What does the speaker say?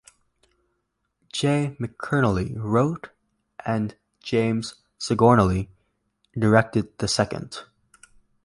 Jay McInerney wrote and James Signorelli directed the second.